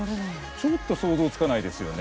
ちょっと想像つかないですよね。